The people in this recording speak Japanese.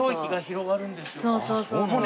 そうそうそうそう。